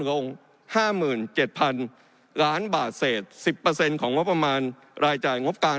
ลง๕๗๐๐๐ล้านบาทเศษ๑๐ของงบประมาณรายจ่ายงบกลาง